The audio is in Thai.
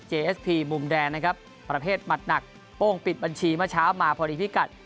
เอเอสพีมุมแดงนะครับประเภทหมัดหนักโป้งปิดบัญชีเมื่อเช้ามาพอดีพิกัด